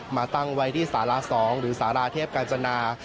มาตั้งไว้ที่สาระ๒หรือสาราเทพกาญจนา